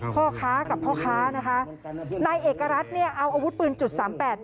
พ่อค้ากับพ่อค้านะคะนายเอกรัฐเนี่ยเอาอาวุธปืนจุดสามแปด